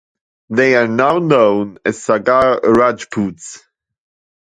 They are now known as Sagar Rajputs.